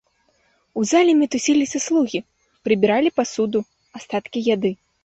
У залі мітусіліся слугі, прыбіралі пасуду, астаткі яды.